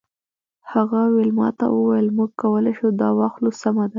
هغه ویلما ته وویل موږ کولی شو دا واخلو سمه ده